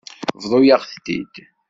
Bḍu-yaɣ-t-id.